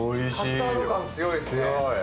カスタード感、強いっすね。